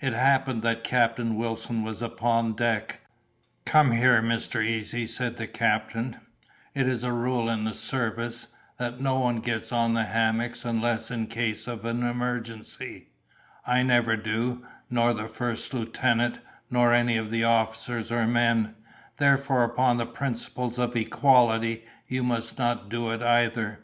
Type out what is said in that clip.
It happened that Captain Wilson was upon deck. "Come here, Mr. Easy," said the captain; "it is a rule in the service, that no one gets on the hammocks unless in case of emergency—I never do—nor the first lieutenant—nor any of the officers or men—therefore, upon the principle of equality, you must not do it either."